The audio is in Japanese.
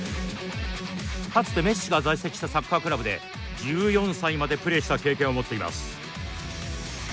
かつて、メッシが在籍したサッカークラブで１４歳までプレーした経験を持っています。